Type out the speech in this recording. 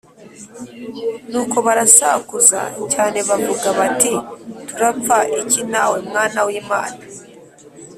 Nuko barasakuza cyane bavuga bati turapfa iki nawe Mwana w Imana